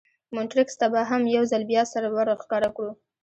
مونټریکس ته به هم یو ځل بیا سر ور ښکاره کړو.